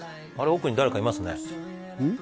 奥に誰かいますねうん？